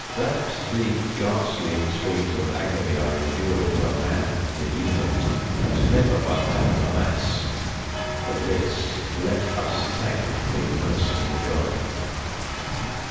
That the ghastly extremes of agony are endured by man the unit, and never by man the mass——for this let us thank a merciful God!